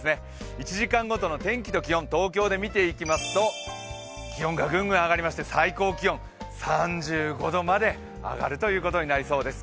１時間ごとの天気と気温東京で見ていきますと気温がグングン上がりまして最高気温３５度まで上がるということになりそうです。